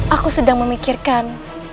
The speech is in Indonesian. aku sedang memikirkan